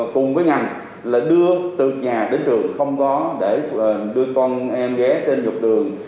cùng với ngành là đưa từ nhà đến trường không có để đưa con em ghé trên trục đường